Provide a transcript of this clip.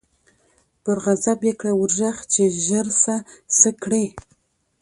په غضب یې کړه ور ږغ چي ژر سه څه کړې